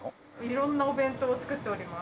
色んなお弁当を作っております。